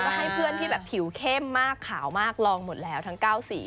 ก็ให้เพื่อนที่แบบผิวเข้มมากขาวมากลองหมดแล้วทั้ง๙สี